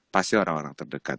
pasti orang orang terdekat